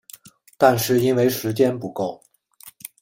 但是因为时间不够